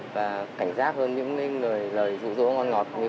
và cảnh giác hơn những người lời rủ rỗ ngon ngọt như vậy